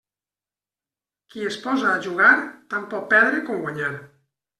Qui es posa a jugar, tant pot perdre com guanyar.